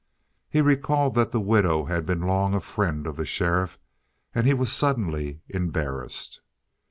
He recalled that the widow had been long a friend of the sheriff and he was suddenly embarrassed.